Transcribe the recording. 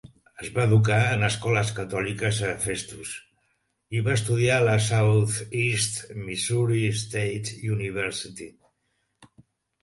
Es va educar en escoles catòliques a Festus i va estudiar a la Southeast Missouri State University.